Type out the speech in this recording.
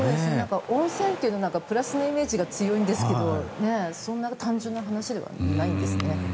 温泉というのはプラスのイメージが強いんですけどそんな単純な話ではないんですね。